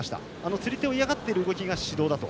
釣り手を嫌がっている動きが指導だと。